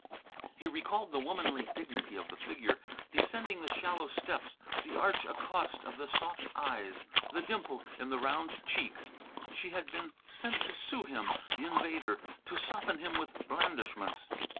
He recalled the womanly dignity of the figure descending the shallow steps, the arch accost of the soft eyes, the dimple in the round check. She had been sent to sue him, the invader, to soften him with blandishments.